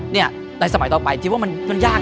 เนี่ยในสมัยต่อไปจิตว่ามันยากนะ